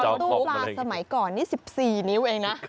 ตู้ปลาสมัยก่อนนี่๑๔นิ้วเองนะ